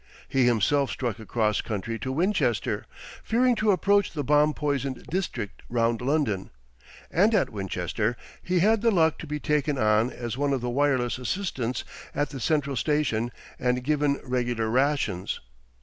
He himself struck across country to Winchester, fearing to approach the bomb poisoned district round London, and at Winchester he had the luck to be taken on as one of the wireless assistants at the central station and given regular rations.